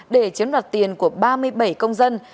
để chiếm đoạt tiền của ba mươi bảy công dân